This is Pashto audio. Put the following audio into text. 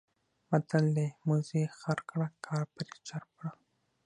متل دی: موزي خر کړه کار پرې چرب کړه.